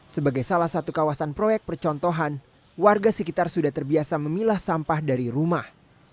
sebagai salah satu kawasan proyek percontohan warga sekitar sudah terbiasa memilah sampah dari rumah